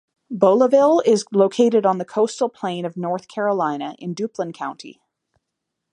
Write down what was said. Beulaville is located on the coastal plain of North Carolina in Duplin County.